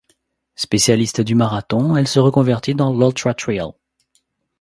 Spécialiste du marathon, elle se reconvertit dans l'ultra-trail.